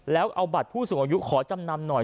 แล้วเอาบัตรผู้สูงอายุขอจำนำหน่อย